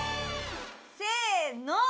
・せの！